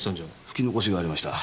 拭き残しがありました。